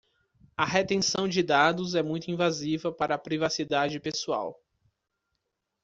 A retenção de dados é muito invasiva para a privacidade pessoal.